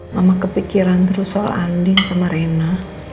mama kepikiran terus soal andi sama rena